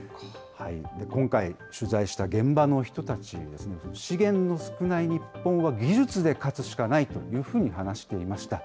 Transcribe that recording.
今回、取材した現場の人たちは、資源の少ない日本は技術で勝つしかないというふうに話していました。